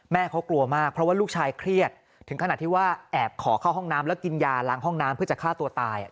เขากลัวมากเพราะว่าลูกชายเครียดถึงขนาดที่ว่าแอบขอเข้าห้องน้ำแล้วกินยาล้างห้องน้ำเพื่อจะฆ่าตัวตาย